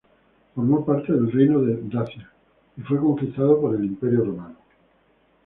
Formó parte del reino de Dacia y fue conquistada por el Imperio romano.